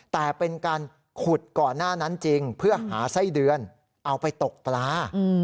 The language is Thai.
แต่เป็นการขุดก่อนหน้านั้นจริงเพื่อหาไส้เดือนเอาไปตกปลา